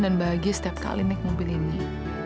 dan bahagia setiap kali naik mobil ini